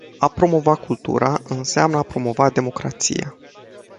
A promova cultura înseamnă a promova democrația.